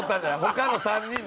他の３人に。